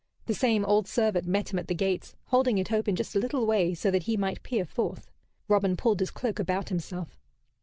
The same old servant met him at the gates, holding it open just a little way so that he might peer forth. Robin pulled his cloak about himself.